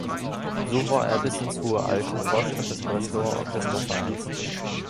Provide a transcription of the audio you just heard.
So war er bis ins hohe Alter Vorstand des Breslauer Orchestervereins.